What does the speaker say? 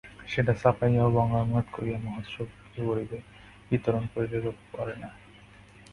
সেটা ছাপাইয়া ও বঙ্গানুবাদ করিয়া মহোৎসবে বিক্রী করিবে, বিতরণ করিলে লোকে পড়ে না।